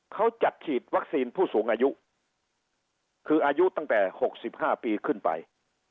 เขาจัดฉีดวัคซีนผู้สูงอายุคืออายุตั้งแต่๖๕ปีขึ้นไป